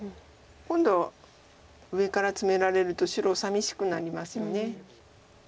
今度上からツメられると白さみしくなりますよね。